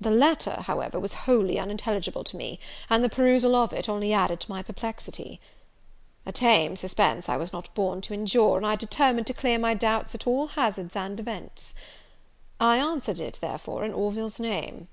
"The letter, however, was wholly unintelligible to me, and the perusal of it only added to my perplexity. "A tame suspense I was not born to endure, and I determined to clear my doubts at all hazards and events. "I answered it, therefore, in Orville's name.